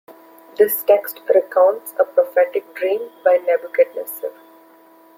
This text recounts a prophetic dream by Nebuchadnezzar.